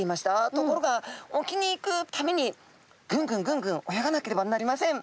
ところが沖に行くためにぐんぐんぐんぐん泳がなければなりません。